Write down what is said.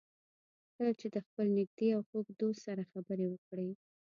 کله چې د خپل نږدې او خوږ دوست سره خبرې وکړئ.